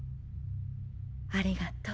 ありがとう。